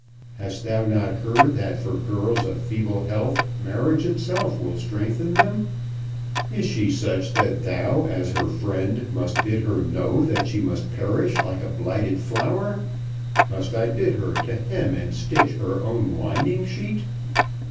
Hast thou not heard that for girls of feeble health marriage itself will strengthen them? Is she such that thou as her friend must bid her know that she must perish like a blighted flower? Must I bid her to hem and stitch her own winding sheet?